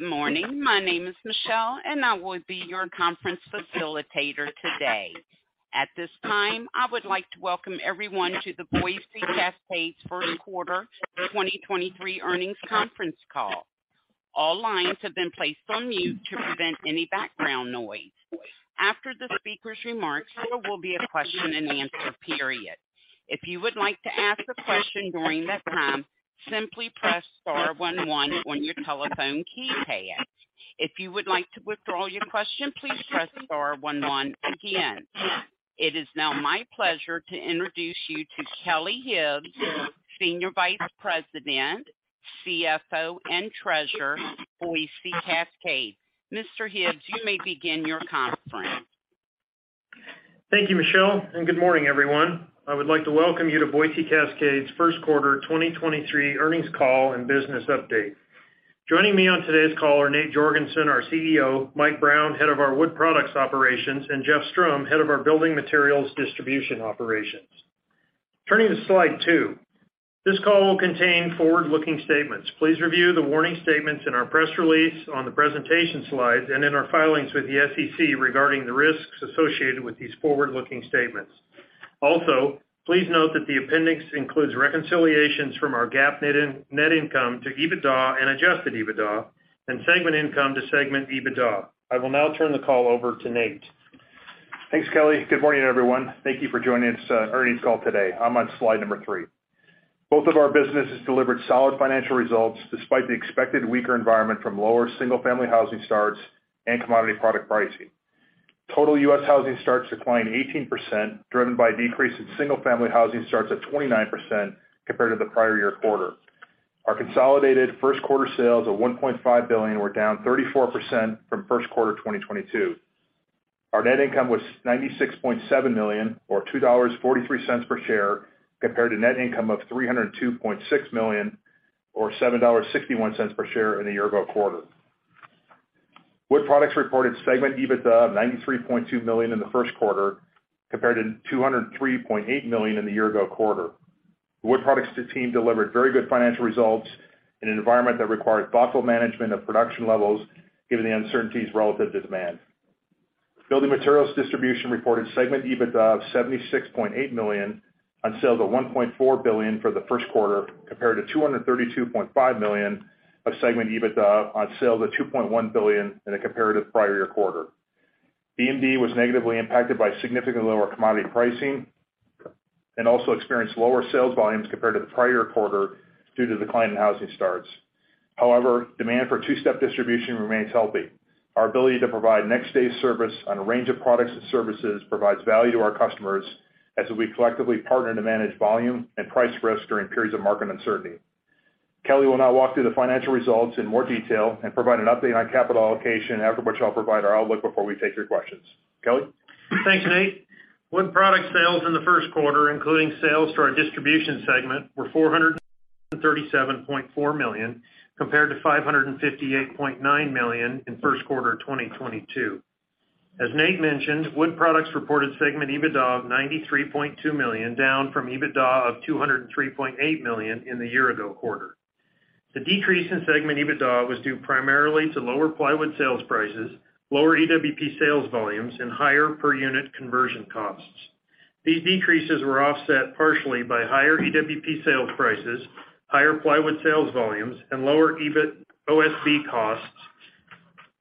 Good morning. My name is Michelle, and I will be your conference facilitator today. At this time, I would like to welcome everyone to the Boise Cascade First Quarter 2023 Earnings Conference Call. All lines have been placed on mute to prevent any background noise. After the speaker's remarks, there will be a question-and-answer period. If you would like to ask a question during that time, simply press star one one on your telephone keypad. If you would like to withdraw your question, please press star one one again. It is now my pleasure to introduce you to Kelly Hibbs, Senior Vice President, CFO, and Treasurer, Boise Cascade. Mr. Hibbs, you may begin your conference. Thank you, Michelle, and good morning, everyone. I would like to welcome you to Boise Cascade's 1st quarter 2023 earnings call and business update. Joining me on today's call are Nate Jorgensen, our CEO, Mike Brown, head of our Wood Products operations, and Jeff Strom, head of our Building Materials Distribution operations. Turning to slide 2. This call will contain forward-looking statements. Please review the warning statements in our press release on the presentation slides and in our filings with the SEC regarding the risks associated with these forward-looking statements. Also, please note that the appendix includes reconciliations from our GAAP net in-net income to EBITDA and adjusted EBITDA and segment income to segment EBITDA. I will now turn the call over to Nate. Thanks, Kelly. Good morning, everyone. Thank you for joining us, earnings call today. I'm on slide number 3. Both of our businesses delivered solid financial results despite the expected weaker environment from lower single-family housing starts and commodity product pricing. Total U.S. housing starts declined 18%, driven by a decrease in single-family housing starts of 29% compared to the prior year quarter. Our consolidated first quarter sales of $1.5 billion were down 34% from first quarter 2022. Our net income was $67 million or $2.43 per share, compared to net income of $302.6 million or $7.61 per share in the year ago quarter. Wood Products reported segment EBITDA of $93.2 million in the first quarter compared to $203.8 million in the year ago quarter. The Wood Products team delivered very good financial results in an environment that required thoughtful management of production levels given the uncertainties relative to demand. Building Materials Distribution reported segment EBITDA of $76.8 million on sales of $1.4 billion for the first quarter, compared to $232.5 million of segment EBITDA on sales of $2.1 billion in a comparative prior year quarter. BMD was negatively impacted by significantly lower commodity pricing and also experienced lower sales volumes compared to the prior year quarter due to declining housing starts. However, demand for two-step distribution remains healthy. Our ability to provide next-day service on a range of products and services provides value to our customers as we collectively partner to manage volume and price risk during periods of market uncertainty. Kelly will now walk through the financial results in more detail and provide an update on capital allocation, after which I'll provide our outlook before we take your questions. Kelly? Thanks, Nate. Wood Products sales in the first quarter, including sales to our distribution segment, were $437.4 million, compared to $558.9 million in first quarter 2022. As Nate mentioned, Wood Products reported segment EBITDA of $93.2 million, down from EBITDA of $203.8 million in the year ago quarter. The decrease in segment EBITDA was due primarily to lower plywood sales prices, lower EWP sales volumes, and higher per unit conversion costs. These decreases were offset partially by higher EWP sales prices, higher plywood sales volumes, and lower OSB costs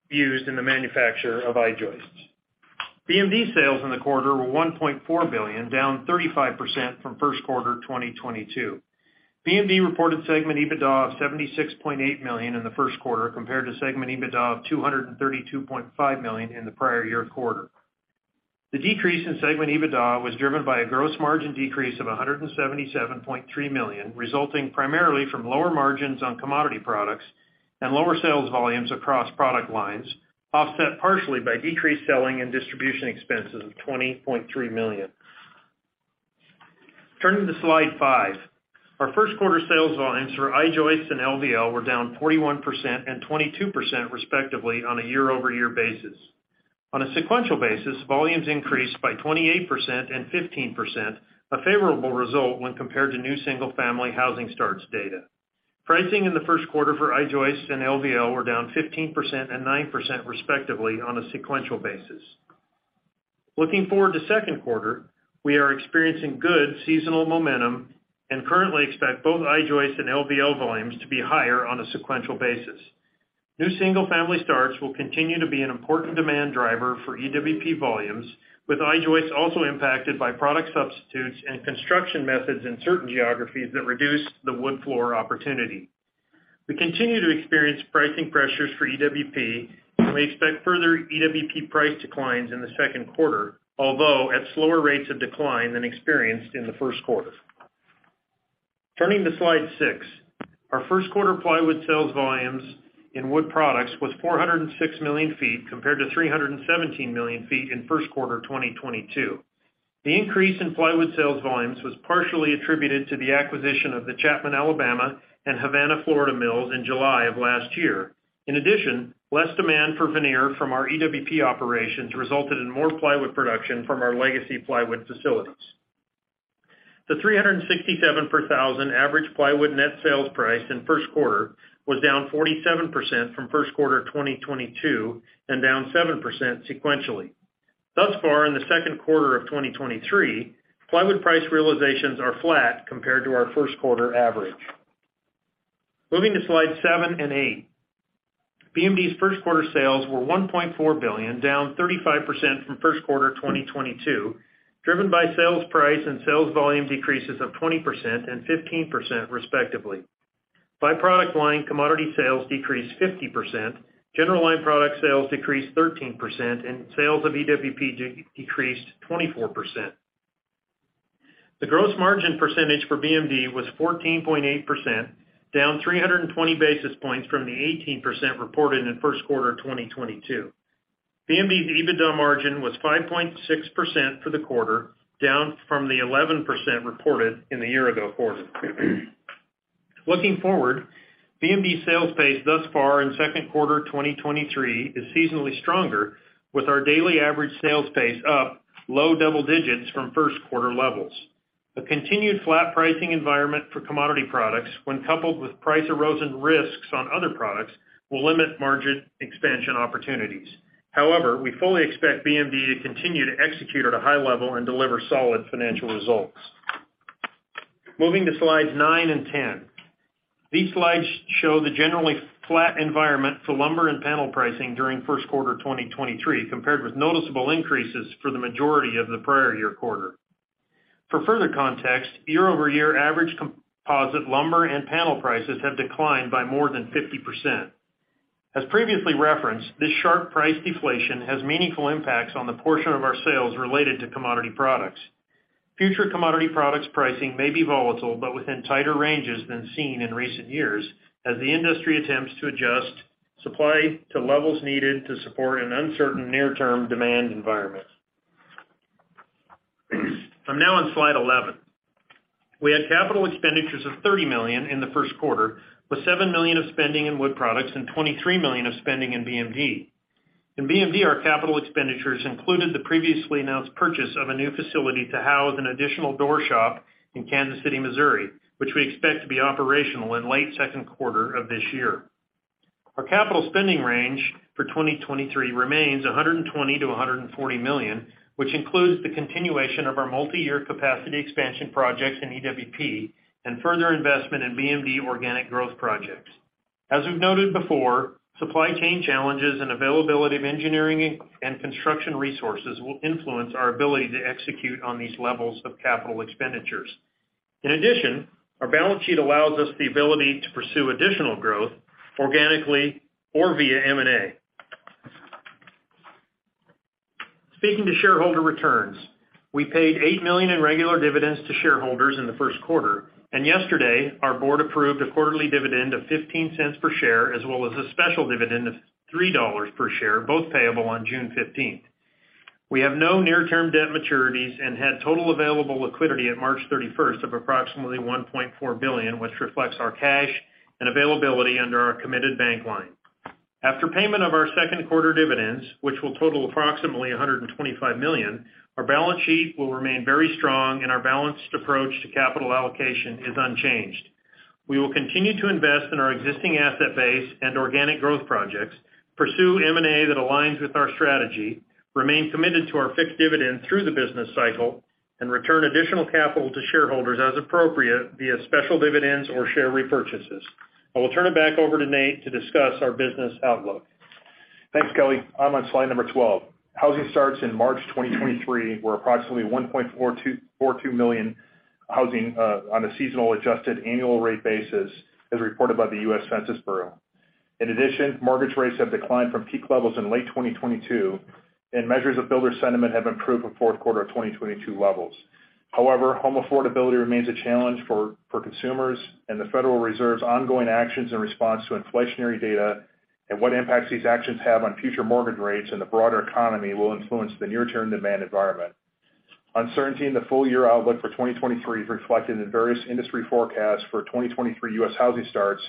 used in the manufacture of I-joists. BMD sales in the quarter were $1.4 billion, down 35% from first quarter 2022. BMD reported segment EBITDA of $76.8 million in the first quarter, compared to segment EBITDA of $232.5 million in the prior year quarter. The decrease in segment EBITDA was driven by a gross margin decrease of $177.3 million, resulting primarily from lower margins on commodity products and lower sales volumes across product lines, offset partially by decreased selling and distribution expenses of $20.3 million. Turning to slide 5. Our first quarter sales volumes for I-joists and LVL were down 41% and 22% respectively on a year-over-year basis. On a sequential basis, volumes increased by 28% and 15%, a favorable result when compared to new single-family housing starts data. Pricing in the first quarter for I-joists and LVL were down 15% and 9% respectively on a sequential basis. Looking forward to second quarter, we are experiencing good seasonal momentum and currently expect both I-joists and LVL volumes to be higher on a sequential basis. New single family starts will continue to be an important demand driver for EWP volumes, with I-joists also impacted by product substitutes and construction methods in certain geographies that reduce the wood floor opportunity. We continue to experience pricing pressures for EWP. We expect further EWP price declines in the second quarter, although at slower rates of decline than experienced in the first quarter. Turning to slide 6. Our first-quarter plywood sales volumes in Wood Products was 406 million feet, compared to 317 million feet in first quarter 2022. The increase in plywood sales volumes was partially attributed to the acquisition of the Chapman, Alabama and Havana, Florida mills in July of last year. In addition, less demand for veneer from our EWP operations resulted in more plywood production from our legacy plywood facilities. The 367 per thousand average plywood net sales price in first quarter was down 47% from first quarter 2022 and down 7% sequentially. Thus far in the second quarter of 2023, plywood price realizations are flat compared to our first quarter average. Moving to slide 7 and 8. BMD's first quarter sales were $1.4 billion, down 35% from first quarter 2022, driven by sales price and sales volume decreases of 20% and 15% respectively. By product line, commodity sales decreased 50%, general line product sales decreased 13%, and sales of EWP decreased 24%. The gross margin percentage for BMD was 14.8%, down 320 basis points from the 18% reported in first quarter of 2022. BMD's EBITDA margin was 5.6% for the quarter, down from the 11% reported in the year ago quarter. Looking forward, BMD sales pace thus far in second quarter 2023 is seasonally stronger with our daily average sales pace up low double digits from first quarter levels. A continued flat pricing environment for commodity products when coupled with price erosion risks on other products will limit margin expansion opportunities. We fully expect BMD to continue to execute at a high level and deliver solid financial results. Moving to slides 9 and 10. These slides show the generally flat environment for lumber and panel pricing during first quarter 2023, compared with noticeable increases for the majority of the prior year quarter. For further context, year-over-year average composite lumber and panel prices have declined by more than 50%. As previously referenced, this sharp price deflation has meaningful impacts on the portion of our sales related to commodity products. Future commodity products pricing may be volatile, but within tighter ranges than seen in recent years as the industry attempts to adjust supply to levels needed to support an uncertain near-term demand environment. I'm now on slide 11. We had capital expenditures of $30 million in the first quarter, with $7 million of spending in Wood Products and $23 million of spending in BMD. In BMD, our capital expenditures included the previously announced purchase of a new facility to house an additional door shop in Kansas City, Missouri, which we expect to be operational in late second quarter of this year. Our capital spending range for 2023 remains $120 million-$140 million, which includes the continuation of our multi-year capacity expansion projects in EWP and further investment in BMD organic growth projects. As we've noted before, supply chain challenges and availability of engineering and construction resources will influence our ability to execute on these levels of capital expenditures. In addition, our balance sheet allows us the ability to pursue additional growth organically or via M&A. Speaking to shareholder returns, we paid $8 million in regular dividends to shareholders in the first quarter, and yesterday our board approved a quarterly dividend of $0.15 per share, as well as a special dividend of $3 per share, both payable on June 15th. We have no near-term debt maturities and had total available liquidity at March 31st of approximately $1.4 billion, which reflects our cash and availability under our committed bank line. After payment of our second quarter dividends, which will total approximately $125 million, our balance sheet will remain very strong and our balanced approach to capital allocation is unchanged. We will continue to invest in our existing asset base and organic growth projects, pursue M&A that aligns with our strategy, remain committed to our fixed dividend through the business cycle, and return additional capital to shareholders as appropriate via special dividends or share repurchases. I will turn it back over to Nate to discuss our business outlook. Thanks, Kelly. I'm on slide number 12. Housing starts in March 2023 were approximately 1.424 million housing on a seasonal adjusted annual rate basis as reported by the U.S. Census Bureau. Mortgage rates have declined from peak levels in late 2022, and measures of builder sentiment have improved from fourth quarter of 2022 levels. Home affordability remains a challenge for consumers and the Federal Reserve's ongoing actions in response to inflationary data and what impacts these actions have on future mortgage rates and the broader economy will influence the near-term demand environment. Uncertainty in the full-year outlook for 2023 is reflected in various industry forecasts for 2023 U.S. housing starts,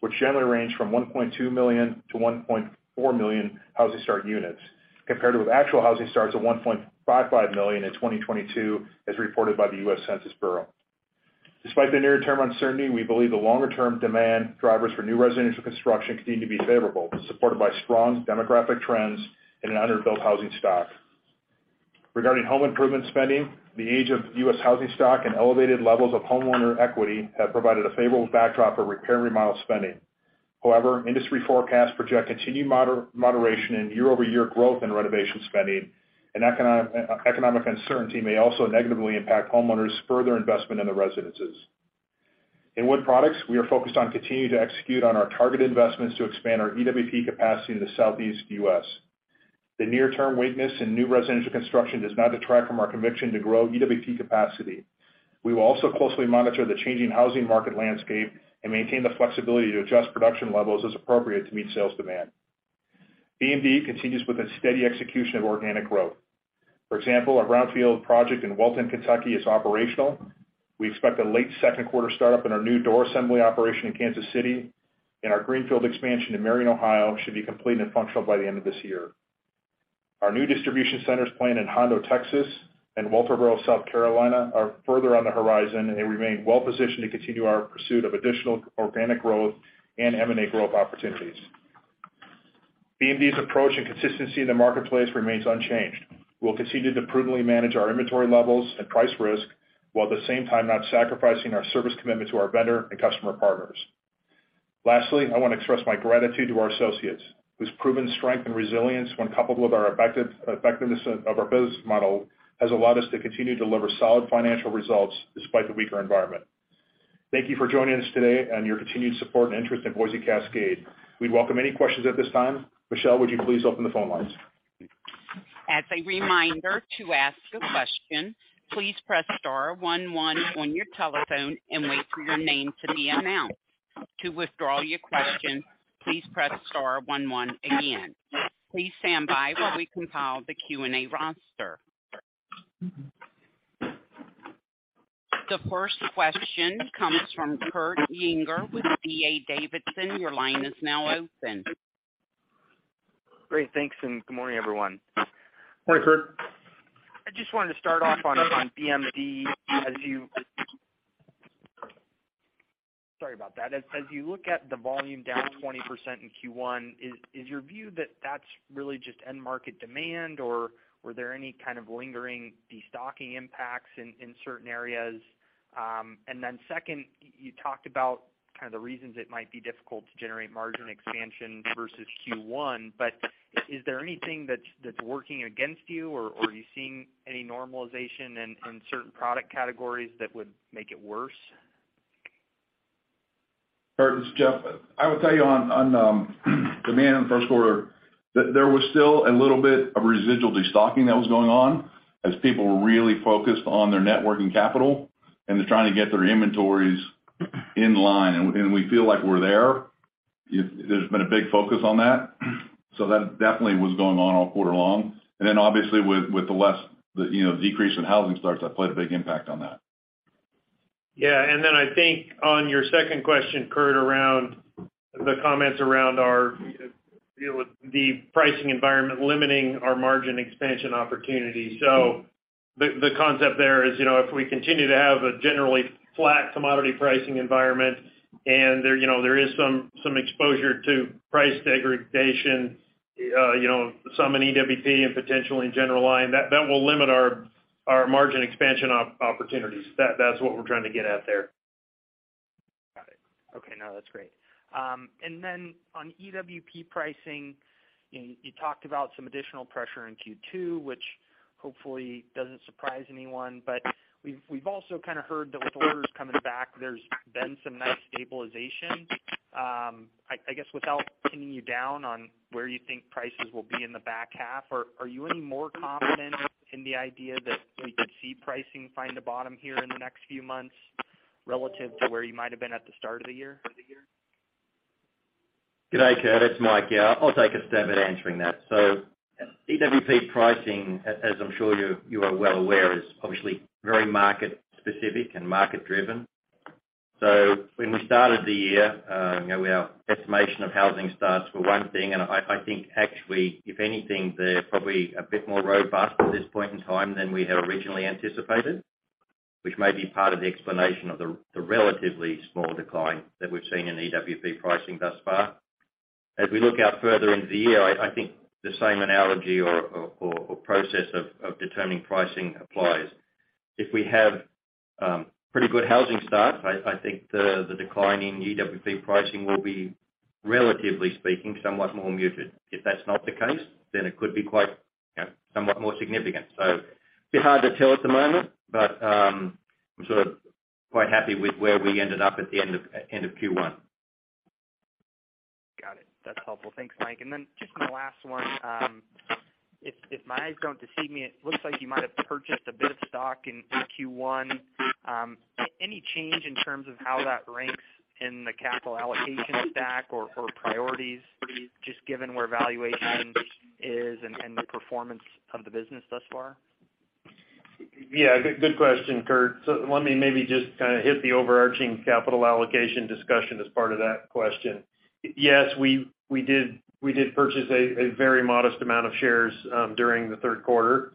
which generally range from 1.2 million to 1.4 million housing start units, compared with actual housing starts of 1.55 million in 2022, as reported by the U.S. Census Bureau. Despite the near-term uncertainty, we believe the longer-term demand drivers for new residential construction continue to be favorable, supported by strong demographic trends and an underbuilt housing stock. Regarding home improvement spending, the age of U.S. housing stock and elevated levels of homeowner equity have provided a favorable backdrop for repair and remodel spending. Industry forecasts project continued moderation in year-over-year growth in renovation spending and economic uncertainty may also negatively impact homeowners' further investment in their residences. In Wood Products, we are focused on continuing to execute on our targeted investments to expand our EWP capacity in the Southeast U.S. The near-term weakness in new residential construction does not detract from our conviction to grow EWP capacity. We will also closely monitor the changing housing market landscape and maintain the flexibility to adjust production levels as appropriate to meet sales demand. BMD continues with a steady execution of organic growth. For example, our brownfield project in Walton, Kentucky is operational. We expect a late second quarter startup in our new door assembly operation in Kansas City, and our greenfield expansion in Marion, Ohio should be complete and functional by the end of this year. Our new distribution centers planned in Hondo, Texas and Walterboro, South Carolina are further on the horizon. They remain well-positioned to continue our pursuit of additional organic growth and M&A growth opportunities. BMD's approach and consistency in the marketplace remains unchanged. We'll continue to prudently manage our inventory levels and price risk, while at the same time not sacrificing our service commitment to our vendor and customer partners. Lastly, I wanna express my gratitude to our associates, whose proven strength and resilience, when coupled with our effectiveness of our business model, has allowed us to continue to deliver solid financial results despite the weaker environment. Thank you for joining us today and your continued support and interest in Boise Cascade. We'd welcome any questions at this time. Michelle, would you please open the phone lines? As a reminder, to ask a question, please press star one one on your telephone and wait for your name to be announced. To withdraw your question, please press star one one again. Please stand by while we compile the Q&A roster. The first question comes from Kurt Yinger with D.A. Davidson. Your line is now open. Great. Thanks. Good morning, everyone. Morning, Kurt. I just wanted to start off on BMD. Sorry about that. As you look at the volume down 20% in Q1, is your view that that's really just end market demand, or were there any kind of lingering destocking impacts in certain areas? Then second, you talked about kind of the reasons it might be difficult to generate margin expansion versus Q1. Is there anything that's working against you, or are you seeing any normalization in certain product categories that would make it worse? Kurt, it's Jeff. I would tell you on demand in the first quarter, there was still a little bit of residual destocking that was going on as people were really focused on their net working capital, and they're trying to get their inventories in line, and we feel like we're there. There's been a big focus on that. That definitely was going on all quarter long. Obviously with the less, you know, decrease in housing starts, that played a big impact on that. Yeah. I think on your second question, Kurt, around the comments around our, you know, the pricing environment limiting our margin expansion opportunity. The concept there is, you know, if we continue to have a generally flat commodity pricing environment and there, you know, there is some exposure to price degradation, you know, some in EWP and potentially in general line, that will limit our margin expansion opportunities. That's what we're trying to get at there. Got it. Okay. No, that's great. On EWP pricing, you talked about some additional pressure in Q2, which hopefully doesn't surprise anyone. We've also kinda heard that with orders coming back, there's been some nice stabilization. I guess without pinning you down on where you think prices will be in the back half, are you any more confident in the idea that we could see pricing find a bottom here in the next few months relative to where you might've been at the start of the year? Good day, Kurt. It's Mike here. I'll take a stab at answering that. EWP pricing, as I'm sure you are well aware, is obviously very market specific and market driven. When we started the year, you know, our estimation of housing starts were one thing, and I think actually if anything, they're probably a bit more robust at this point in time than we had originally anticipated, which may be part of the explanation of the relatively small decline that we've seen in EWP pricing thus far. As we look out further into the year, I think the same analogy or process of determining pricing applies. If we have pretty good housing starts, I think the decline in EWP pricing will be, relatively speaking, somewhat more muted. If that's not the case, then it could be quite, you know, somewhat more significant. Be hard to tell at the moment, but, I'm sort of quite happy with where we ended up at the end of Q1. Got it. That's helpful. Thanks, Mike. Then just my last one. If, if my eyes don't deceive me, it looks like you might have purchased a bit of stock in Q1. Any change in terms of how that ranks in the capital allocation stack or priorities, just given where valuation is and the performance of the business thus far? Good question, Kurt. Let me maybe just kinda hit the overarching capital allocation discussion as part of that question. Yes, we did purchase a very modest amount of shares during the third quarter.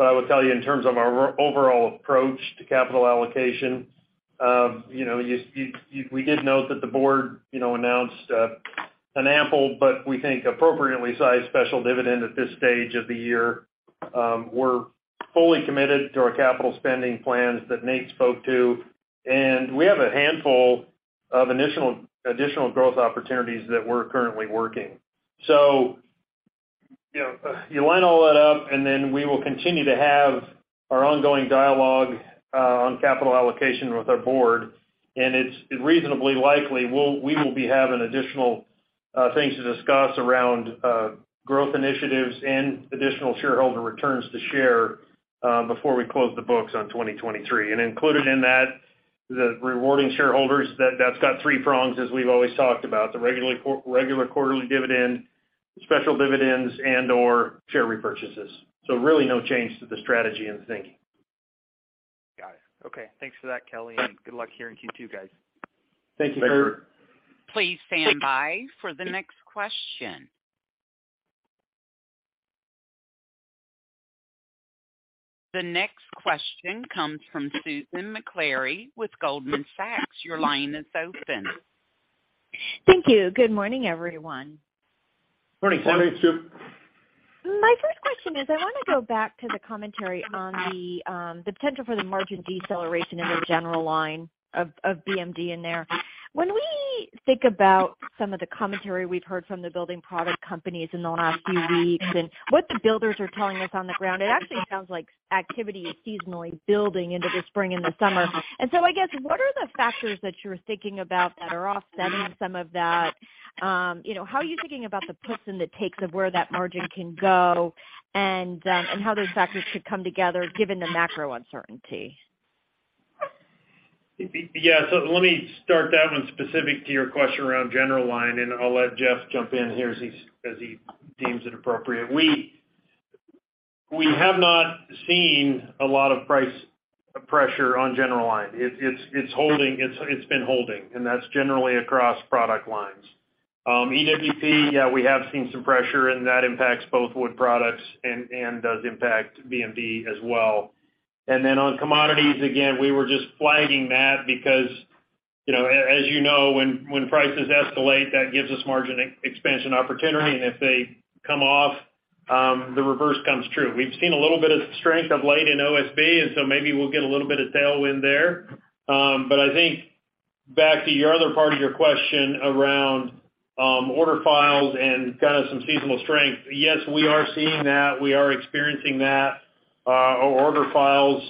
I will tell you in terms of our overall approach to capital allocation, you know, we did note that the board, you know, announced an ample but we think appropriately sized special dividend at this stage of the year. We're fully committed to our capital spending plans that Nate spoke to, and we have a handful of additional growth opportunities that we're currently working. You know, you line all that up, and then we will continue to have our ongoing dialogue on capital allocation with our board, and it's reasonably likely we will be having additional things to discuss around growth initiatives and additional shareholder returns to share before we close the books on 2023. Included in that, the rewarding shareholders, that's got three prongs, as we've always talked about, the regular quarterly dividend, special dividends, and/or share repurchases. Really no change to the strategy and thinking. Okay. Thanks for that, Kelly, and good luck here in Q2, guys. Thank you, Kurt. Please stand by for the next question. The next question comes from Susan Maklari with Goldman Sachs. Your line is open. Thank you. Good morning, everyone. Morning, Sue. My first question is I want to go back to the commentary on the potential for the margin deceleration in the general line of BMD in there. When we think about some of the commentary we've heard from the building product companies in the last few weeks and what the builders are telling us on the ground, it actually sounds like activity is seasonally building into the spring and the summer. I guess, what are the factors that you're thinking about that are offsetting some of that? you know, how are you thinking about the puts and the takes of where that margin can go and how those factors could come together given the macro uncertainty? Let me start that one specific to your question around general line, and I'll let Jeff jump in here as he deems it appropriate. We have not seen a lot of price pressure on general line. It's holding. It's been holding, and that's generally across product lines. EWP, yeah, we have seen some pressure, and that impacts both Wood Products and does impact BMD as well. Then on commodities, again, we were just flagging that because, you know, as you know, when prices escalate, that gives us margin expansion opportunity. If they come off, the reverse comes true. We've seen a little bit of strength of late in OSB, and so maybe we'll get a little bit of tailwind there. I think back to your other part of your question around order files and kind of some seasonal strength. Yes, we are seeing that. We are experiencing that. Our order files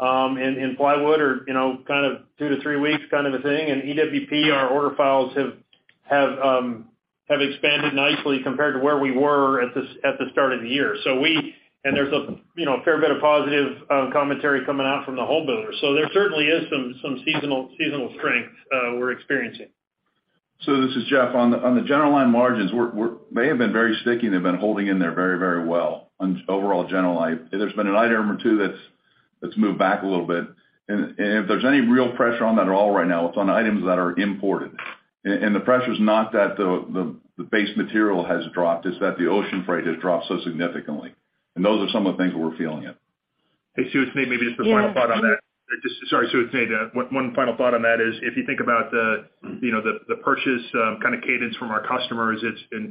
in plywood are, you know, kind of 2-3 weeks kind of a thing. EWP, our order files have expanded nicely compared to where we were at the start of the year. And there's a, you know, a fair bit of positive commentary coming out from the home builders. There certainly is some seasonal strength we're experiencing. This is Jeff. On the general line margins, they have been very sticky. They've been holding in there very well on overall general line. There's been an item or two that's moved back a little bit. If there's any real pressure on that at all right now, it's on items that are imported. The pressure is not that the base material has dropped. It's that the ocean freight has dropped so significantly. Those are some of the things where we're feeling it. Hey, Sue, it's me. Maybe just one final thought on that. Yeah. Sorry, Sue. It's me. One final thought on that is if you think about the, you know, the purchase, kind of cadence from our customers,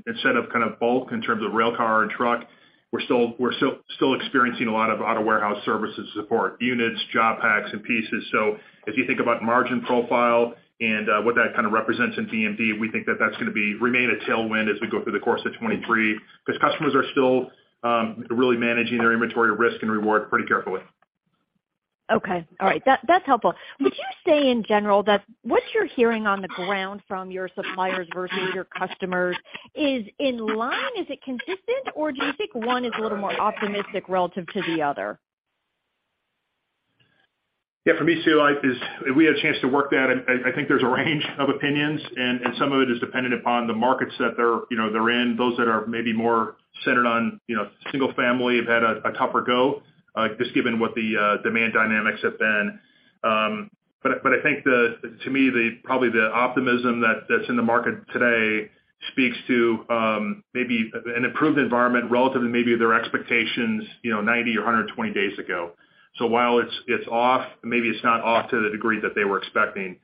instead of kind of bulk in terms of rail car or truck, we're still experiencing a lot of out-of-warehouse services to support units, job packs and pieces. If you think about margin profile and what that kind of represents in BMD, we think that that's gonna remain a tailwind as we go through the course of 2023 because customers are still really managing their inventory risk and reward pretty carefully. Okay. All right. That's helpful. Would you say in general that what you're hearing on the ground from your suppliers versus your customers is in line? Is it consistent, or do you think one is a little more optimistic relative to the other? For me, Sue, we had a chance to work that, and I think there's a range of opinions, and some of it is dependent upon the markets that they're, you know, they're in. Those that are maybe more centered on, you know, single family have had a tougher go, just given what the demand dynamics have been. But I think to me, probably the optimism that's in the market today speaks to maybe an improved environment relative to maybe their expectations, you know, 90 or 120 days ago. While it's off, maybe it's not off to the degree that they were expecting.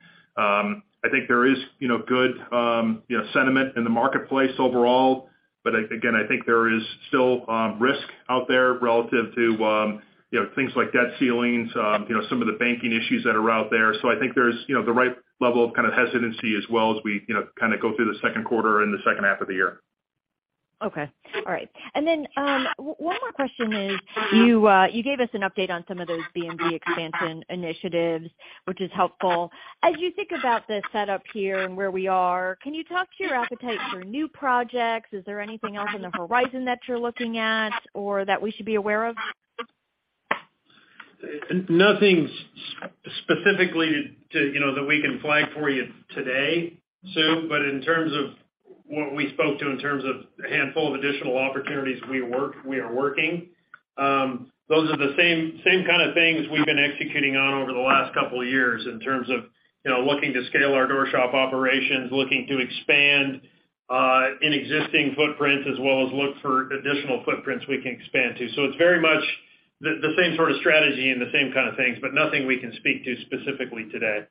I think there is, you know, good, you know, sentiment in the marketplace overall. I think there is still risk out there relative to, you know, things like debt ceilings, you know, some of the banking issues that are out there. I think there's, you know, the right level of kind of hesitancy as well as we, you know, kind of go through the second quarter and the second half of the year. Okay. All right. One more question is you gave us an update on some of those BMD expansion initiatives, which is helpful. As you think about the setup here and where we are, can you talk to your appetite for new projects? Is there anything else on the horizon that you're looking at or that we should be aware of? Nothing specifically to, you know, that we can flag for you today, Sue. In terms of what we spoke to in terms of a handful of additional opportunities we are working, those are the same kind of things we've been executing on over the last couple of years in terms of, you know, looking to scale our door shop operations, looking to expand in existing footprints, as well as look for additional footprints we can expand to. It's very much the same sort of strategy and the same kind of things, but nothing we can speak to specifically today.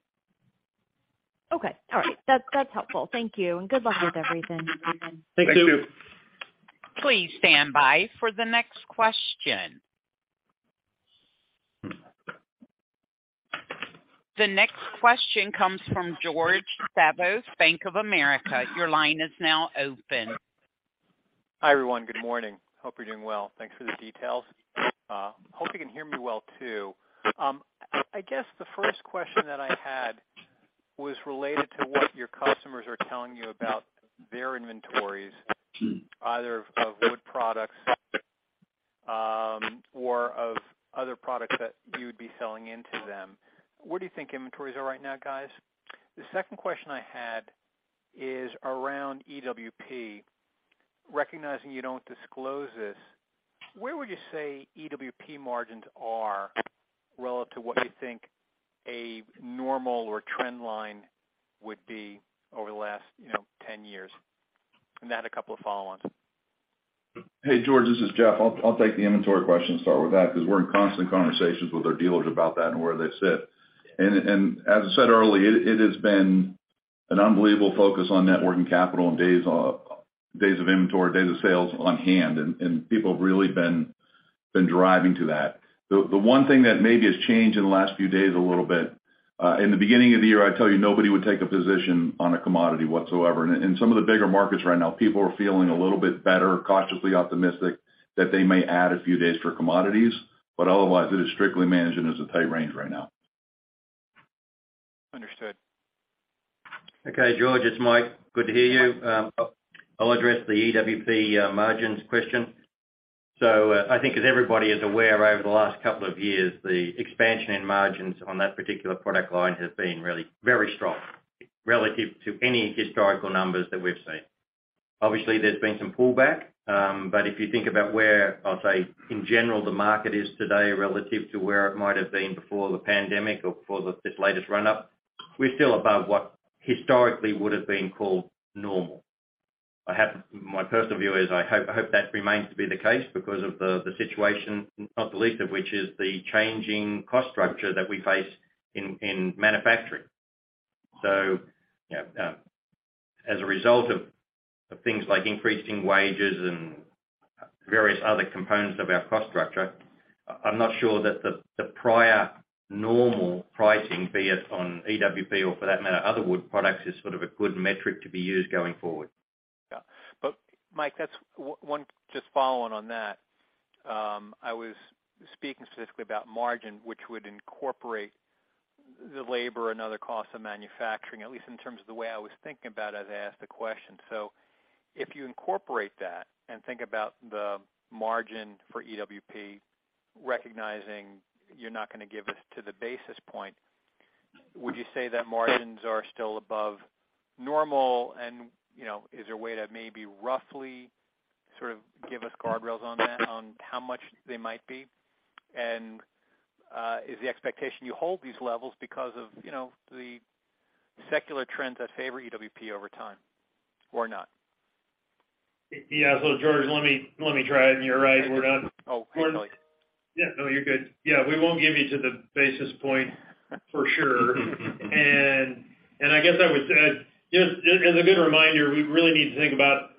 Okay. All right. That's helpful. Thank you. Good luck with everything. Thank you. Please stand by for the next question. The next question comes from George Staphos, Bank of America. Your line is now open. Hi, everyone. Good morning. Hope you're doing well. Thanks for the details. Hope you can hear me well, too. I guess the first question that I had was related to what your customers are telling you about their inventories, either of wood products, or of other products that you would be selling into them. Where do you think inventories are right now, guys? The second question I had is around EWP. Recognizing you don't disclose this, where would you say EWP margins are relative to what you think a normal or trend line would be over the last, you know, 10 years? Then I had a couple of follow-ons. Hey, George, this is Jeff. I'll take the inventory question, start with that because we're in constant conversations with our dealers about that and where they sit. As I said earlier, it has been an unbelievable focus on net working capital and days of inventory, days of sales on hand, and people have really been driving to that. The one thing that maybe has changed in the last few days a little bit, in the beginning of the year, I'd tell you nobody would take a position on a commodity whatsoever. In some of the bigger markets right now, people are feeling a little bit better, cautiously optimistic that they may add a few days for commodities. Otherwise, it is strictly managed and it's a tight range right now. Understood. Okay, George, it's Mike. Good to hear you. I'll address the EWP margins question. I think as everybody is aware over the last couple of years, the expansion in margins on that particular product line has been really very strong relative to any historical numbers that we've seen. Obviously, there's been some pullback. If you think about where I'll say in general the market is today relative to where it might have been before the pandemic or before this latest run up, we're still above what historically would have been called normal. My personal view is I hope that remains to be the case because of the situation, not the least of which is the changing cost structure that we face in manufacturing. You know, as a result of things like increasing wages and various other components of our cost structure, I'm not sure that the prior normal pricing, be it on EWP or for that matter, other Wood Products, is sort of a good metric to be used going forward. Yeah. Mike, just following on that, I was speaking specifically about margin, which would incorporate the labor and other costs of manufacturing, at least in terms of the way I was thinking about as I asked the question. If you incorporate that and think about the margin for EWP, recognizing you're not going to give it to the basis point, would you say that margins are still above normal? Is there a way to maybe roughly sort of give us guardrails on that, on how much they might be? Is the expectation you hold these levels because of, you know, the secular trends that favor EWP over time or not? Yeah. George, let me try it. You're right. Oh, please, Kelly. No, you're good. We won't give you to the basis point for sure. I guess I would say, just as a good reminder, we really need to think about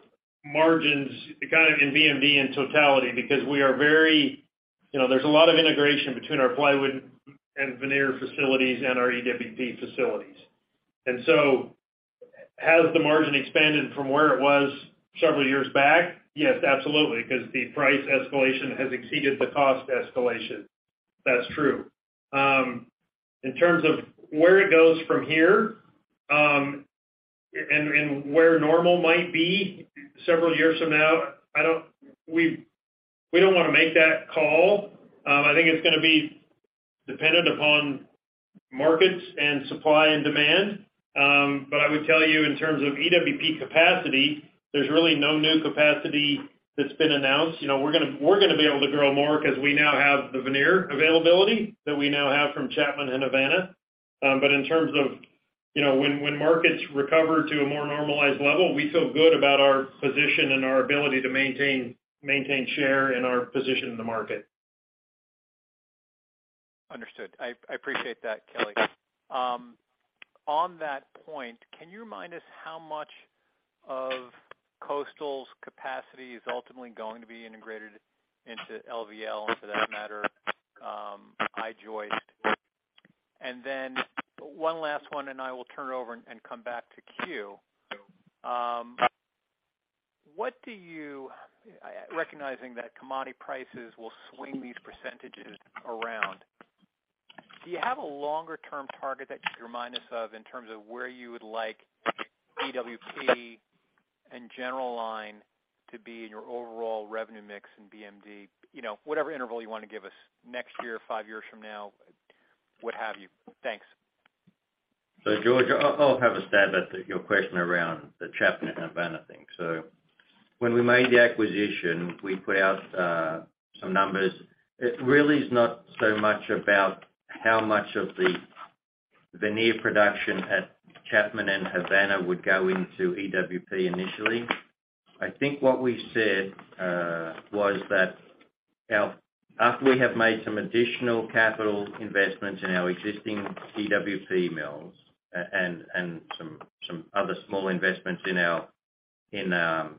margins kind of in BMD in totality, because you know, there's a lot of integration between our plywood and veneer facilities and our EWP facilities. Has the margin expanded from where it was several years back? Yes, absolutely. Because the price escalation has exceeded the cost escalation. That's true. In terms of where it goes from here, and where normal might be several years from now, we don't want to make that call. I think it's gonna be dependent upon markets and supply and demand. I would tell you in terms of EWP capacity, there's really no new capacity that's been announced. You know, we're gonna be able to grow more because we now have the veneer availability that we now have from Chapman and Havana. In terms of, you know, when markets recover to a more normalized level, we feel good about our position and our ability to maintain share and our position in the market. Understood. I appreciate that, Kelly. On that point, can you remind us how much of Coastal's capacity is ultimately going to be integrated into LVL, and for that matter, I-joist? Then one last one, I will turn it over and come back to Q. Recognizing that commodity prices will swing these percentages around, do you have a longer-term target that you could remind us of in terms of where you would like EWP and general line to be in your overall revenue mix in BMD? You know, whatever interval you want to give us. Next year, five years from now, what have you. Thanks. George, I'll have a stab at your question around the Chapman and Havana thing. When we made the acquisition, we put out some numbers. It really is not so much about how much of the veneer production at Chapman and Havana would go into EWP initially. I think what we said was that after we have made some additional capital investments in our existing EWP mills and some other small investments in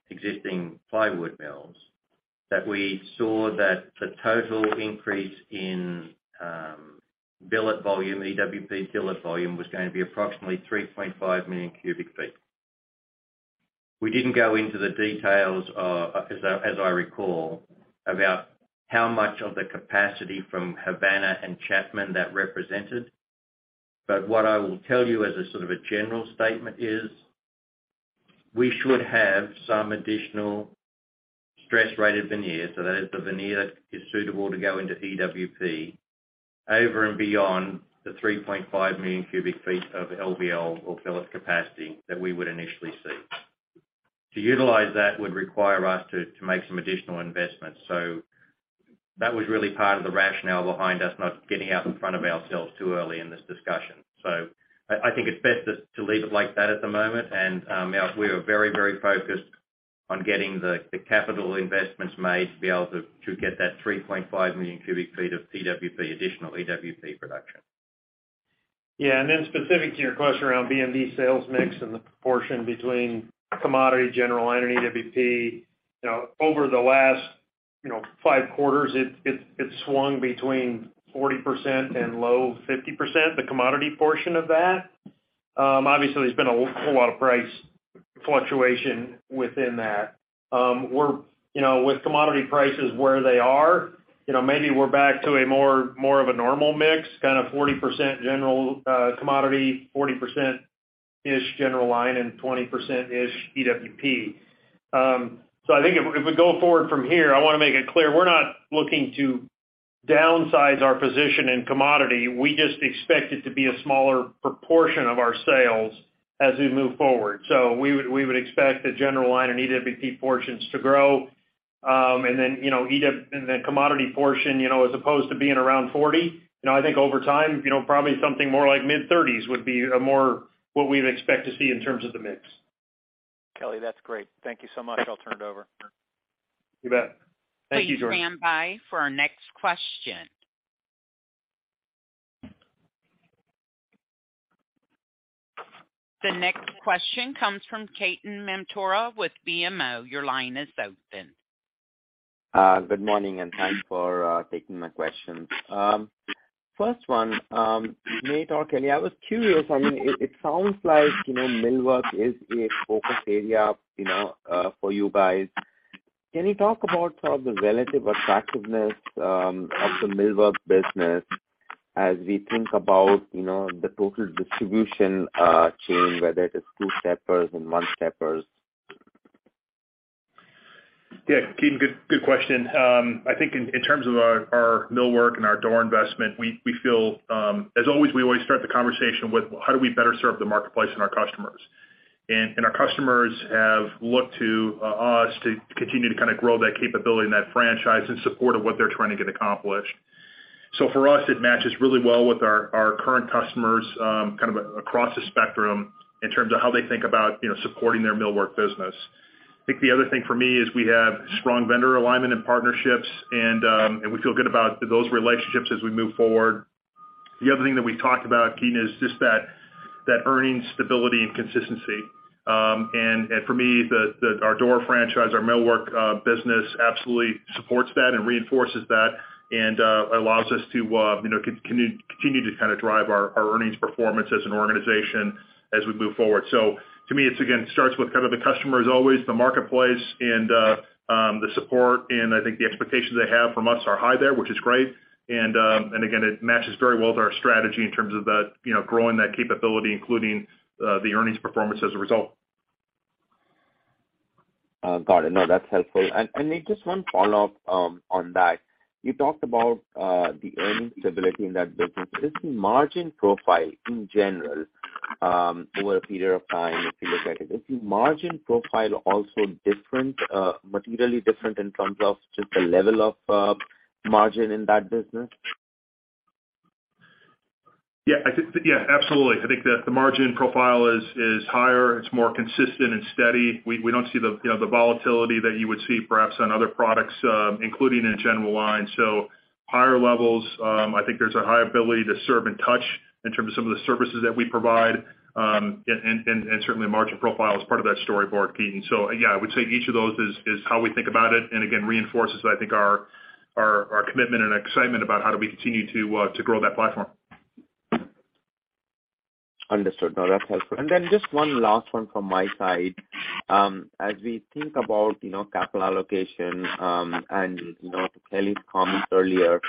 existing plywood mills, that we saw that the total increase in billet volume, EWP billet volume was going to be approximately 3.5 million cubic feet. We didn't go into the details of, as I recall, about how much of the capacity from Havana and Chapman that represented. What I will tell you as a sort of a general statement is we should have some additional stress-rated veneer, so that is the veneer that is suitable to go into EWP over and beyond the 3.5 million cubic feet of LVL or Phyllis capacity that we would initially see. To utilize that would require us to make some additional investments. That was really part of the rationale behind us not getting out in front of ourselves too early in this discussion. I think it's best to leave it like that at the moment. Yeah, we are very, very focused on getting the capital investments made to be able to get that 3.5 million cubic feet of EWP, additional EWP production. Yeah. Then specific to your question around BMD sales mix and the proportion between commodity general line and EWP, you know, over the last, you know, five quarters, it swung between 40% and low 50%, the commodity portion of that. Obviously, there's been a lot of price fluctuation within that. We're, you know, with commodity prices where they are, you know, maybe we're back to more of a normal mix, kind of 40% general, commodity, 40%-ish general line, and 20%-ish EWP. I think if we go forward from here, I wanna make it clear we're not looking to downsize our position in commodity. We just expect it to be a smaller proportion of our sales as we move forward. We would expect the general line and EWP portions to grow, and then, you know, and the commodity portion, you know, as opposed to being around 40, you know, I think over time, you know, probably something more like mid-30s would be a more what we'd expect to see in terms of the mix. Kelly, that's great. Thank you so much. I'll turn it over. You bet. Thank you, George. Please stand by for our next question. The next question comes from Ketan Mamtora with BMO. Your line is open. Good morning, and thanks for taking my questions. First one, Nate or Kelly, I was curious. I mean, it sounds like, you know, millwork is a focus area, you know, for you guys. Can you talk about sort of the relative attractiveness of the millwork business as we think about, you know, the total distribution chain, whether it is two-steppers and one-steppers? Yeah. Ketan, good question. I think in terms of our millwork and our door investment, we feel, as always, we always start the conversation with how do we better serve the marketplace and our customers. Our customers have looked to us to continue to kinda grow that capability and that franchise in support of what they're trying to get accomplished. For us, it matches really well with our current customers, kind of across the spectrum in terms of how they think about, you know, supporting their millwork business. I think the other thing for me is we have strong vendor alignment and partnerships and we feel good about those relationships as we move forward. The other thing that we talked about, Ketan, is just that earnings stability and consistency. For me, our door franchise, our millwork business absolutely supports that and reinforces that and allows us to, you know, continue to kind of drive our earnings performance as an organization as we move forward. To me, it's again starts with kind of the customer as always, the marketplace and the support. I think the expectations they have from us are high there, which is great. Again, it matches very well with our strategy in terms of the, you know, growing that capability, including the earnings performance as a result. got it. No, that's helpful. And Nate, just one follow-up on that. You talked about the earnings stability in that business. Is the margin profile in general over a period of time if you look at it, is the margin profile also different, materially different in terms of just the level of margin in that business? Yeah. I think. Yeah, absolutely. I think that the margin profile is higher. It's more consistent and steady. We don't see the, you know, the volatility that you would see perhaps on other products, including in general line. Higher levels, I think there's a high ability to serve and touch in terms of some of the services that we provide. And certainly margin profile is part of that storyboard, Ketan. Yeah, I would say each of those is how we think about it, and again, reinforces, I think our commitment and excitement about how do we continue to grow that platform. Understood. No, that's helpful. Then just one last one from my side. As we think about, you know, capital allocation, and, you know, to Kelly's comments earlier,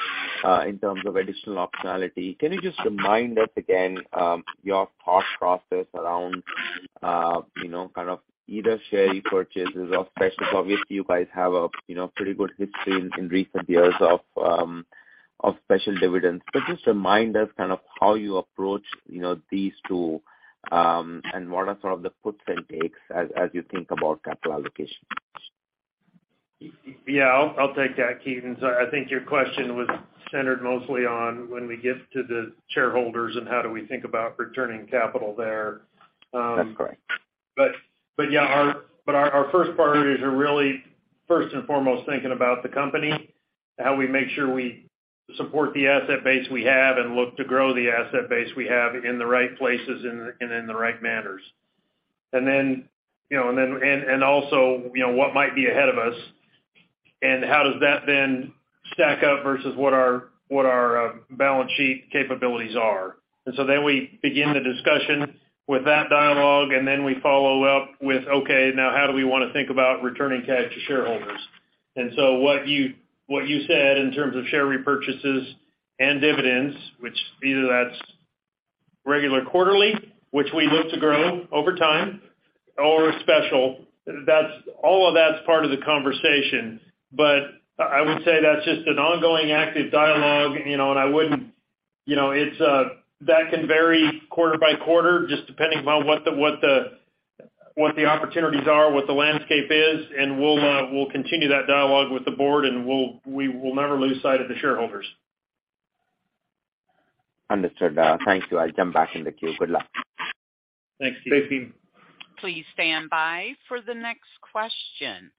in terms of additional optionality, can you just remind us again, your thought process around, you know, kind of either share repurchases or, obviously, you guys have a, you know, pretty good history in recent years of special dividends. Just remind us kind of how you approach, you know, these two, and what are sort of the puts and takes as you think about capital allocation. Yeah. I'll take that, Ketan. I think your question was centered mostly on when we get to the shareholders and how do we think about returning capital there. That's correct. Yeah, our first priority is really first and foremost thinking about the company, how we make sure we support the asset base we have and look to grow the asset base we have in the right places and in the right manners. Then, you know, and then, and also, you know, what might be ahead of us, and how does that then stack up versus what our, what our balance sheet capabilities are. So then we begin the discussion with that dialogue, and then we follow up with, okay, now how do we wanna think about returning cash to shareholders? So what you said in terms of share repurchases and dividends, which either that's regular quarterly, which we look to grow over time or special. That's all of that's part of the conversation. I would say that's just an ongoing active dialogue, you know. That can vary quarter by quarter just depending on what the opportunities are, what the landscape is, and we'll continue that dialogue with the board, and we will never lose sight of the shareholders. Understood. Thank you. I'll jump back in the queue. Good luck. Thanks, Ketan. Thanks, Kelly. Please stand by for the next question.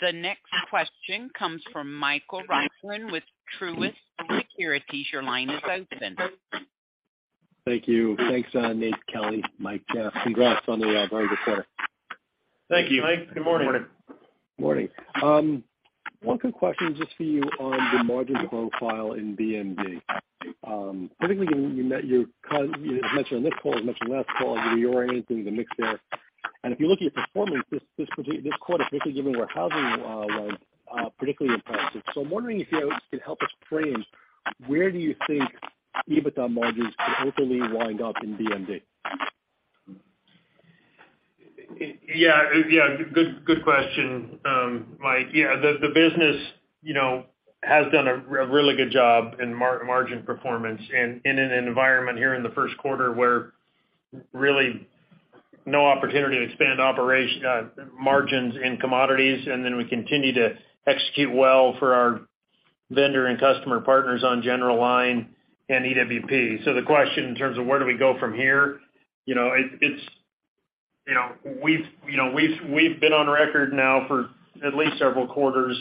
The next question comes from Michael Roxland with Truist Securities. Your line is open. Thank you. Thanks, Nate, Kelly. Mike, congrats on the very good quarter. Thank you, Mike. Good morning. Morning. Morning. one quick question just for you on the margin profile in BMD. I think you mentioned on this call, you mentioned last call, you're reorienting the mix there. If you look at your performance this quarter, particularly given where housing was, particularly impressive. I'm wondering if you could help us frame where do you think EBITDA margins could hopefully wind up in BMD? Yeah. Good question, Mike. The business, you know, has done a really good job in margin performance in an environment here in the first quarter where really no opportunity to expand margins in commodities, and then we continue to execute well for our vendor and customer partners on general line and EWP. The question in terms of where do we go from here, you know, it's, you know, we've been on record now for at least several quarters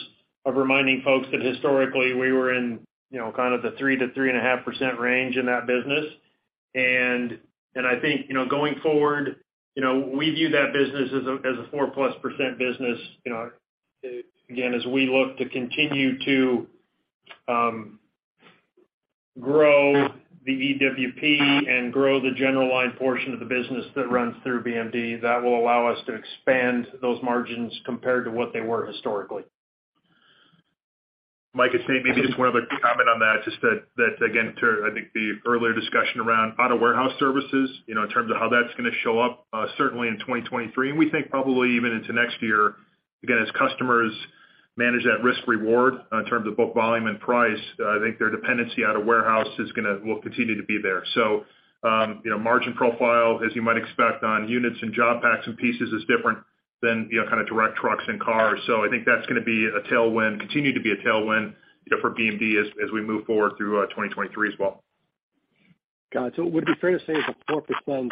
of reminding folks that historically we were in, you know, kind of the 3%-3.5% range in that business. I think, you know, going forward, you know, we view that business as a, as a 4-plus% business. You know, again, as we look to continue to grow the EWP and grow the general line portion of the business that runs through BMD, that will allow us to expand those margins compared to what they were historically. Mike, it's Nate. Maybe just one other comment on that. Just that again, to I think the earlier discussion around out-of-warehouse services, you know, in terms of how that's gonna show up, certainly in 2023, and we think probably even into next year. Again, as customers manage that risk reward in terms of both volume and price, I think their dependency out-of-warehouse will continue to be there. You know, margin profile, as you might expect on units and job packs and pieces is different than, you know, kind of direct trucks and cars. I think that's gonna be a tailwind, continue to be a tailwind, you know, for BMD as we move forward through 2023 as well. Got it. Would it be fair to say it's a 4%,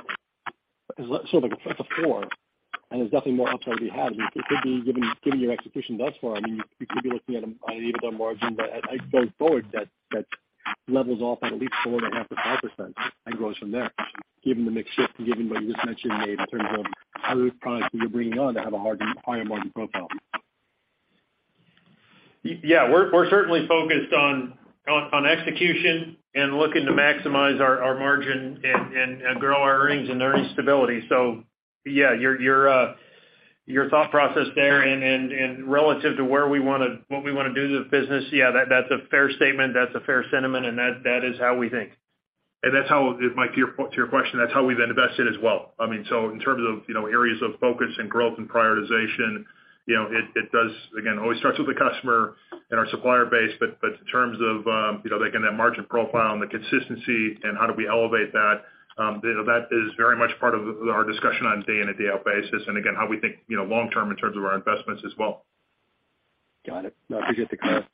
and there's definitely more upside to be had. I mean, it could be given your execution thus far, I mean, you could be looking at an EBITDA margin that I go forward that levels off at least 4.5%-5% and grows from there, given the mix shift and given what you just mentioned, Nate, in terms of other products that you're bringing on that have a higher margin profile. Yeah. We're certainly focused on execution and looking to maximize our margin and grow our earnings and earnings stability. Yeah, your thought process there and relative to what we wanna do to the business, yeah, that's a fair statement, that's a fair sentiment, and that is how we think. That's how, Mike, to your question, that's how we've invested as well. I mean, in terms of, you know, areas of focus and growth and prioritization, you know, it does, again, always starts with the customer and our supplier base, but in terms of, you know, like in that margin profile and the consistency and how do we elevate that, you know, that is very much part of our discussion on a day in and day out basis. Again, how we think, you know, long term in terms of our investments as well. Got it. No, I forget the color.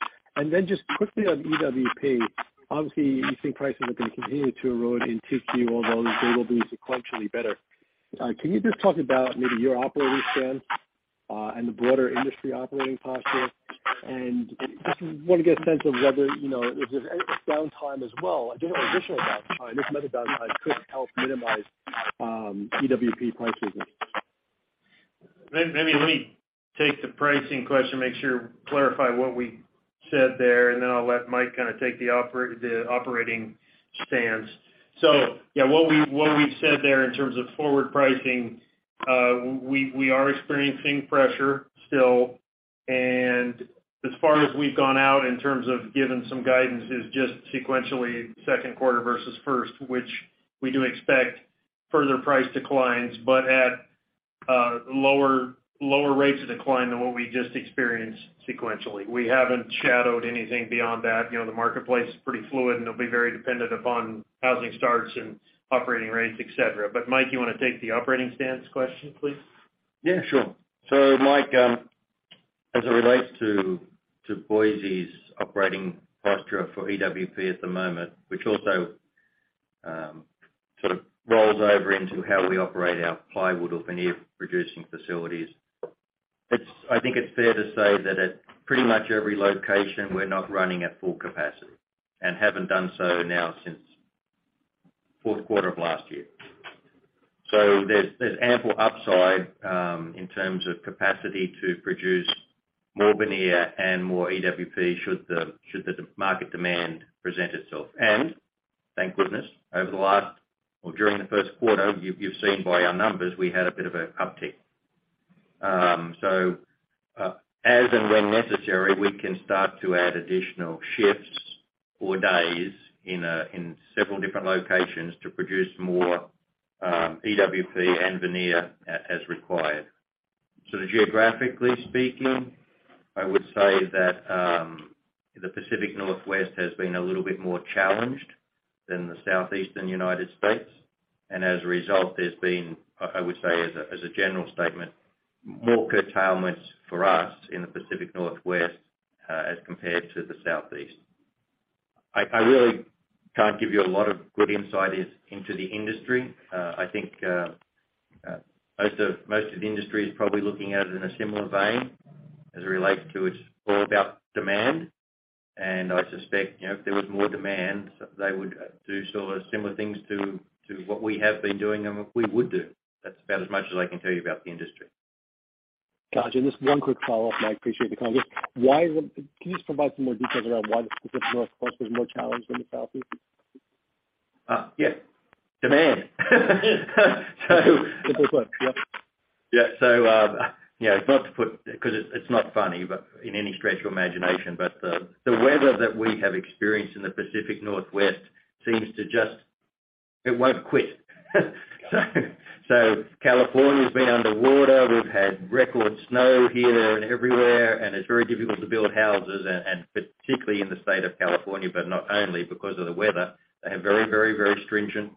Then just quickly on EWP. Obviously, you think prices are gonna continue to erode in 2Q, although they will be sequentially better. Can you just talk about maybe your operating stance, and the broader industry operating posture? Just wanna get a sense of whether, you know, if downtime as well, I don't know, additional downtime, this amount of downtime could help minimize EWP price resistance. Maybe let me take the pricing question, make sure clarify what we said there, and then I'll let Mike kind of take the operating stance. Yeah, what we've said there in terms of forward pricing, we are experiencing pressure still. As far as we've gone out in terms of giving some guidance is just sequentially second quarter versus first, which we do expect further price declines, but at lower rates of decline than what we just experienced sequentially. We haven't shadowed anything beyond that. You know, the marketplace is pretty fluid, and it'll be very dependent upon housing starts and operating rates, et cetera. Mike, you wanna take the operating stance question, please? Sure. Mike, as it relates to Boise's operating posture for EWP at the moment, which also sort of rolls over into how we operate our plywood or veneer producing facilities. I think it's fair to say that at pretty much every location, we're not running at full capacity and haven't done so now since fourth quarter of last year. There's ample upside in terms of capacity to produce more veneer and more EWP should the market demand present itself. Thank goodness, during the first quarter, you've seen by our numbers, we had a bit of a uptick. As and when necessary, we can start to add additional shifts or days in several different locations to produce more EWP and veneer as required. Geographically speaking, I would say that the Pacific Northwest has been a little bit more challenged than the Southeastern United States. As a result, there's been, I would say as a, as a general statement, more curtailments for us in the Pacific Northwest, as compared to the Southeast. I really can't give you a lot of good insight into the industry. I think most of the industry is probably looking at it in a similar vein as it relates to it's all about demand. I suspect, you know, if there was more demand, they would do sort of similar things to what we have been doing and what we would do. That's about as much as I can tell you about the industry. Gotcha. Just one quick follow-up, and I appreciate the comment. Can you just provide some more details around why the Pacific Northwest was more challenged than the Southeast? yeah. Demand. Simple as that. Yep. Yeah. You know, it's not funny, but in any stretch of imagination. The weather that we have experienced in the Pacific Northwest seems to just. It won't quit. California's been under water. We've had record snow here and everywhere, and it's very difficult to build houses, and particularly in the state of California, but not only because of the weather. They have very, very, very stringent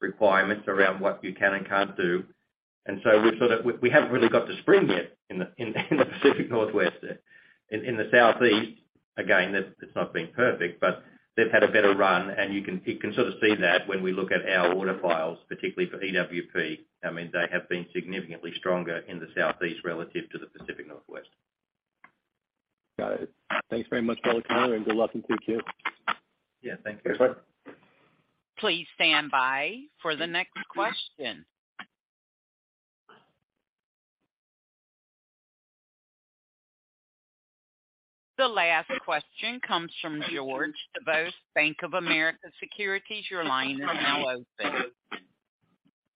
requirements around what you can and can't do. We haven't really got to spring yet in the Pacific Northwest. In the Southeast, again, it's not been perfect, but they've had a better run. You can sort of see that when we look at our order files, particularly for EWP. I mean, they have been significantly stronger in the Southeast relative to the Pacific Northwest. Got it. Thanks very much for all the color and good luck in 2Q. Yeah. Thank you. Thanks, bye. Please stand by for the next question. The last question comes from George Staphos, Bank of America Securities. Your line is now open.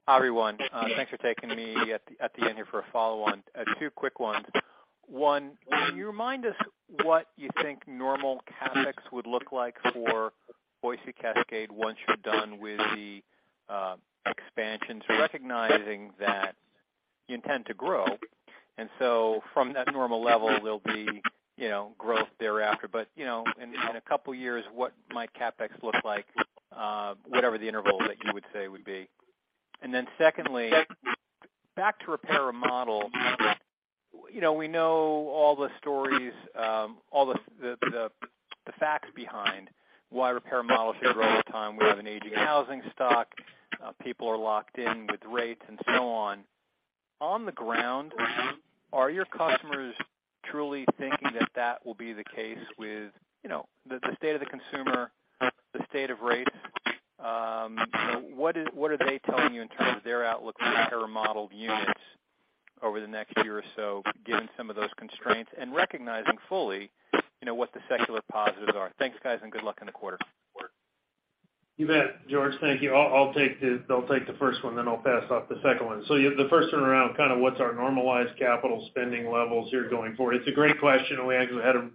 Hi, everyone. Thanks for taking me at the, at the end here for a follow-on. Two quick ones. One, can you remind us what you think normal CapEx would look like for Boise Cascade once you're done with the expansion? Recognizing that you intend to grow, and so from that normal level, there'll be, you know, growth thereafter. You know, in a couple of years, what might CapEx look like, whatever the interval that you would say would be. Secondly, back to repair and remodel. You know, we know all the stories, all the facts behind why repair and remodel models favor over time. We have an aging housing stock. People are locked in with rates and so on. On the ground, are your customers truly thinking that that will be the case with, you know, the state of the consumer, the state of rates? What are they telling you in terms of their outlook for repair and modeled units over the next year or so, given some of those constraints and recognizing fully, you know, what the secular positives are? Thanks, guys, and good luck in the quarter. You bet, George. Thank you. I'll take the first one, then I'll pass off the second one. Yeah, the first one around kind of what's our normalized capital spending levels here going forward. It's a great question, and we actually had a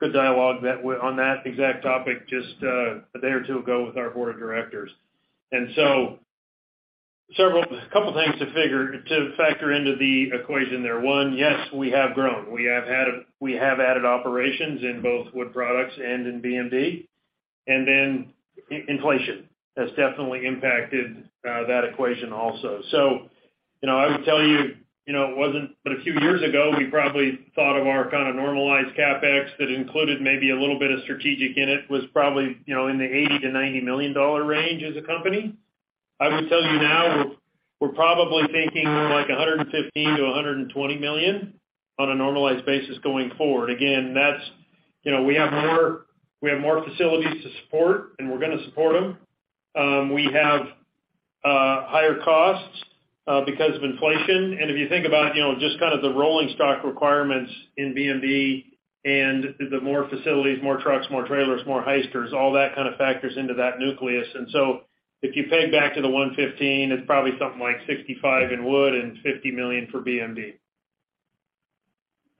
good dialogue on that exact topic just a day or two ago with our board of directors. Several... Couple things to factor into the equation there. One, yes, we have grown. We have added operations in both Wood Products and in BMD. Inflation has definitely impacted that equation also. You know, I would tell you know, it wasn't, but a few years ago, we probably thought of our kind of normalized CapEx that included maybe a little bit of strategic in it, was probably, you know, in the $80 million-$90 million range as a company. I would tell you now, we're probably thinking more like $115 million-$120 million on a normalized basis going forward. Again, that's. You know, we have more facilities to support, and we're going to support them. We have higher costs because of inflation. If you think about, you know, just kind of the rolling stock requirements in BMD and the more facilities, more trucks, more trailers, more Hysters, all that kind of factors into that nucleus. If you pay back to the $115, it's probably something like $65 million in wood and $50 million for BMD.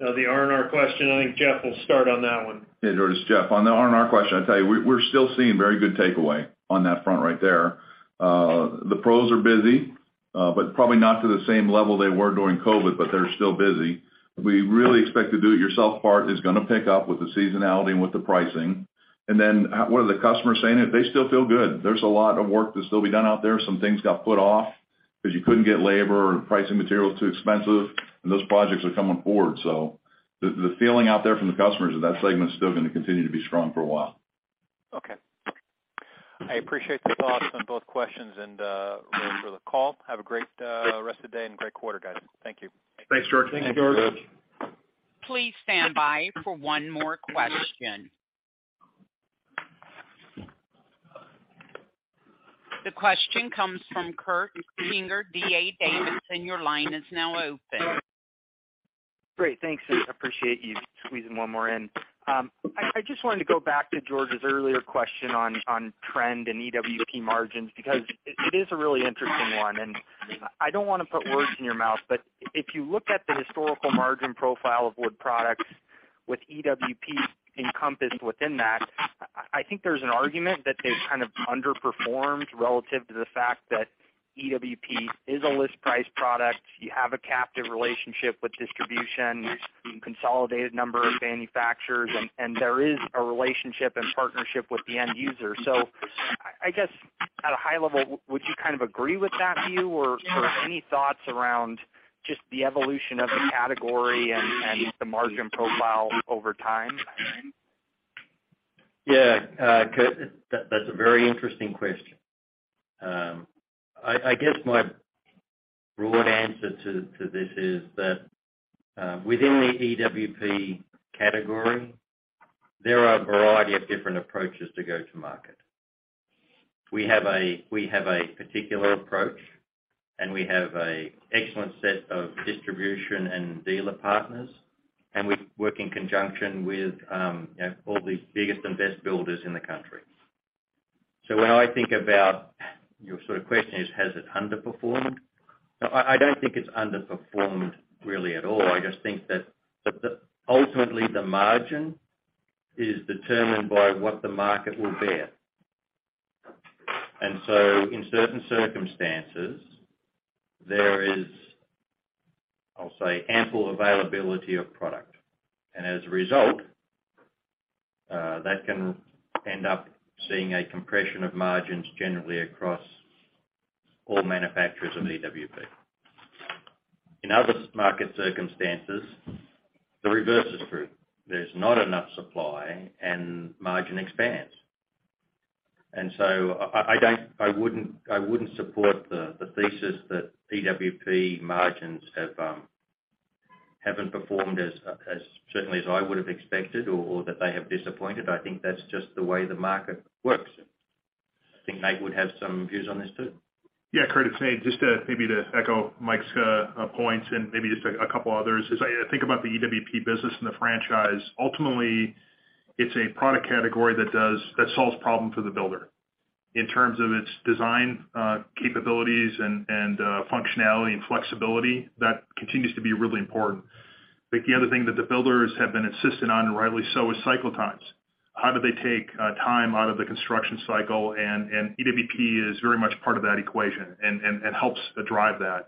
The RNR question, I think Jeff will start on that one. Yeah. George, it's Jeff. On the RNR question, I'll tell you, we're still seeing very good takeaway on that front right there. The pros are busy, but probably not to the same level they were during COVID, but they're still busy. We really expect the do-it-yourself part is gonna pick up with the seasonality and with the pricing. What are the customers saying? They still feel good. There's a lot of work to still be done out there. Some things got put off 'cause you couldn't get labor or pricing material was too expensive, and those projects are coming forward. The feeling out there from the customers of that segment is still gonna continue to be strong for a while. Okay. I appreciate the thoughts on both questions and, really for the call. Have a great rest of the day and great quarter, guys. Thank you. Thanks, George. Thank you, George. Please stand by for one more question. The question comes from Kurt Yinger, D.A. Davidson. Your line is now open. Great. Thanks. Appreciate you squeezing one more in. I just wanted to go back to George's earlier question on trend and EWP margins because it is a really interesting one, and I don't wanna put words in your mouth, but if you look at the historical margin profile of Wood Products with EWP encompassed within that, I think there's an argument that they've kind of underperformed relative to the fact that EWP is a list price product. You have a captive relationship with distribution, consolidated number of manufacturers, and there is a relationship and partnership with the end user. I guess at a high level, would you kind of agree with that view? Any thoughts around just the evolution of the category and the margin profile over time? That's a very interesting question. I guess my broad answer to this is that within the EWP category, there are a variety of different approaches to go to market. We have a particular approach, and we have a excellent set of distribution and dealer partners, and we work in conjunction with, you know, all the biggest and best builders in the country. When I think about your sort of question is, has it underperformed? No, I don't think it's underperformed really at all. I just think that ultimately, the margin is determined by what the market will bear. In certain circumstances, there is, I'll say, ample availability of product. As a result, that can end up seeing a compression of margins generally across all manufacturers of EWP. In other market circumstances, the reverse is true. There's not enough supply and margin expands. I wouldn't support the thesis that EWP margins haven't performed as certainly as I would have expected or that they have disappointed. I think that's just the way the market works. I think Nate would have some views on this, too. Yeah, Kurt, it's Nate. Just to, maybe to echo Mike's points and maybe just a couple others, as I think about the EWP business and the franchise, ultimately, it's a product category that solves problem for the builder in terms of its design, capabilities and functionality and flexibility. That continues to be really important. I think the other thing that the builders have been insistent on, and rightly so, is cycle times. How do they take time out of the construction cycle? And EWP is very much part of that equation and helps drive that.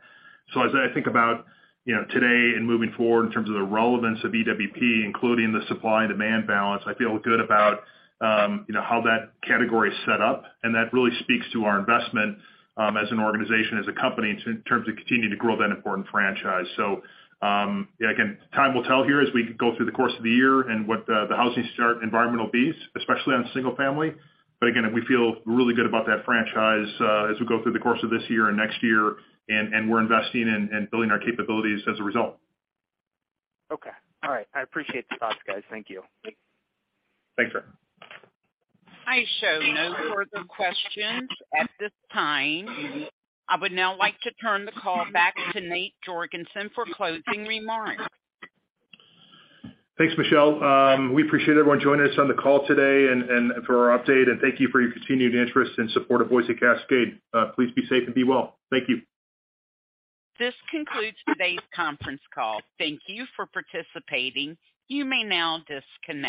As I think about, you know, today and moving forward in terms of the relevance of EWP, including the supply and demand balance, I feel good about, you know, how that category is set up, and that really speaks to our investment as an organization, as a company in terms of continuing to grow that important franchise. Yeah, again, time will tell here as we go through the course of the year and what the housing start environment will be, especially on single family. Again, we feel really good about that franchise as we go through the course of this year and next year, and we're investing in and building our capabilities as a result. Okay. All right. I appreciate the thoughts, guys. Thank you. Thanks, sir. I show no further questions at this time. I would now like to turn the call back to Nate Jorgensen for closing remarks. Thanks, Michelle. We appreciate everyone joining us on the call today and for our update, and thank you for your continued interest and support of Boise Cascade. Please be safe and be well. Thank you. This concludes today's conference call. Thank you for participating. You may now disconnect.